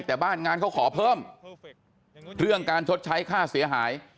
แต่บ้านงานเขาขอเพิ่มเรื่องการชดใช้ค่าเสียหาย